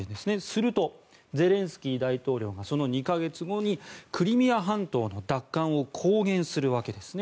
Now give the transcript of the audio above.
すると、ゼレンスキー大統領がその２か月後にクリミア半島の奪還を公言するわけです。